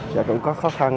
dạ cũng có khó khăn